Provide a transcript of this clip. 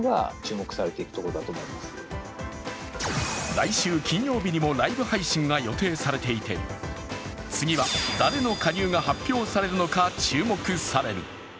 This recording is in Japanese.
来週金曜日にもライブ配信が予定されていて次は誰の加入が発表されるのか注目される。